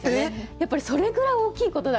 やっぱりそれぐらい大きいことだから。